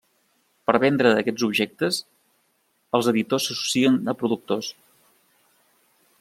Per vendre aquests objectes, els editors s'associen a productors.